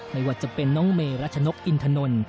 ไม่ว่าจะเป็นน้องเมรัชนกอินทนนท์